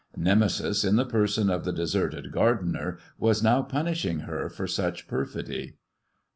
Nemesis in the person of the deserted gardener was now punishing her for such perfidy.